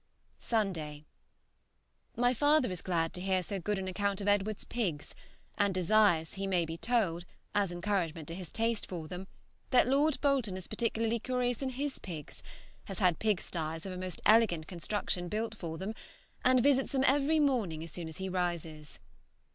Sunday. My father is glad to hear so good an account of Edward's pigs, and desires he may be told, as encouragement to his taste for them, that Lord Bolton is particularly curious in his pigs, has had pigstyes of a most elegant construction built for them, and visits them every morning as soon as he rises.